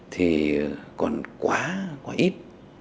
nguồn quá có ít